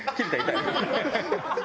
痛い？